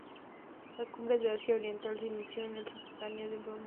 La Cumbre de Asia Oriental se inició en el Sultanato de Brunei.